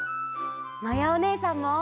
まやおねえさんも。